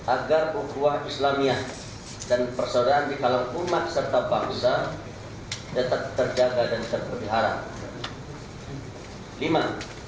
agar ukuran islamia dan persaudaraan di kalang umat serta bangsa tetap terjaga dan terperbihara